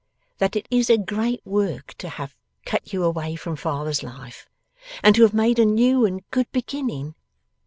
That it is a great work to have cut you away from father's life, and to have made a new and good beginning.